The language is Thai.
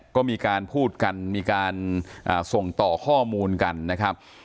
ก็มีการพูดกันมีการส่งต่อข้อมูลกันนะครับ